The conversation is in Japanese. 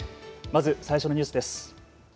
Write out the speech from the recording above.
まず最初のニュースです。